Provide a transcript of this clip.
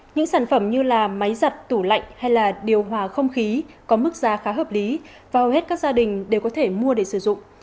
những sản phẩm như máy giặt tủ lạnh hay là điều hòa không khí có mức giá khá hợp lý và hầu hết các gia đình đều có thể mua để sử dụng